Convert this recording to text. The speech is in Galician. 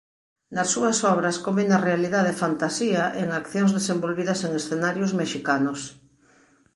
Nas súas obras combina realidade e fantasía en accións desenvolvidas en escenarios mexicanos.